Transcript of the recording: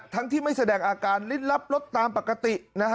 ทั้งที่ไม่แสดงอาการลิ้นลับลดตามปกติ